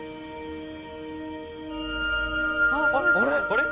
「あれ？」